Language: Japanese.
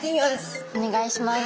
お願いします。